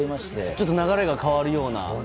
ちょっと流れが変わるような。